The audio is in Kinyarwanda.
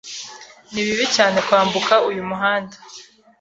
Ni bibi cyane kwambuka uyu muhanda.